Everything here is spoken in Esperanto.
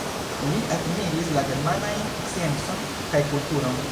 Li admiris la germanajn sciencon kaj kulturon.